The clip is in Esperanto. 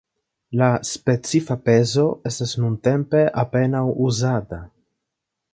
La specifa pezo estas nuntempe apenaŭ uzata.